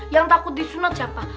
yang takut disunat siapa